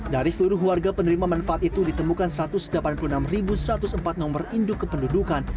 dari seluruh warga penerima manfaat itu ditemukan satu ratus delapan puluh enam satu ratus empat nomor induk kependudukan